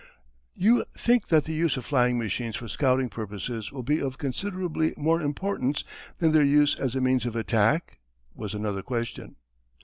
"You think that the use of flying machines for scouting purposes will be of considerably more importance than their use as a means of attack?" was another question.